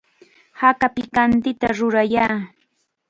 Haka pikantita rurayay.